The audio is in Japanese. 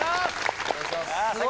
お願いします